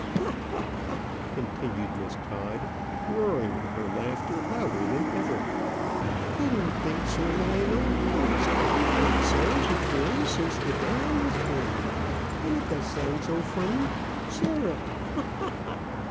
"Ha! ha! ha!" continued Miss Todd, roaring in her laughter louder than ever; "I don't think, Sir Lionel, I was ever called Sarah before since the day I was born; and it does sound so funny. Sarah! Ha! ha! ha!"